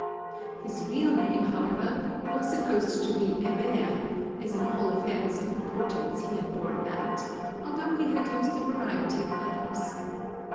His real name, however, was supposed to be Hébert, as in all affairs of importance he had borne that, although he had used a variety of others.